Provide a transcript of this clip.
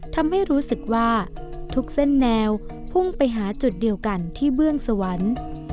ทำให้รู้สึกว่าทุกเส้นแนวพุ่งไปหาจุดเดียวกันที่เบื้องสวรรค์